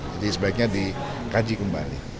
jadi sebaiknya dikaji kembali